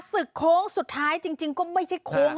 โค้งสุดท้ายจริงก็ไม่ใช่โค้ง